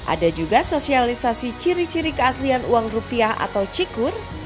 ada juga sosialisasi ciri ciri keaslian uang rupiah atau cikur